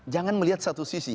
jangan melihat satu sisi